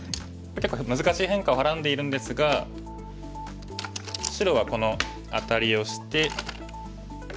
結構難しい変化をはらんでいるんですが白はこのアタリをして。